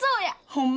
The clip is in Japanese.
ホンマ？